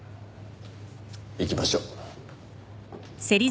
行きましょう。